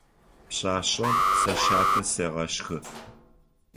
Пшъашъэм сэ щатэ сегъэшхы.